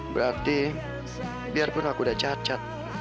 berarti biarpun aku udah cacat